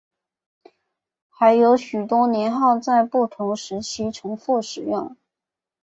还有许多年号在不同时期重复使用。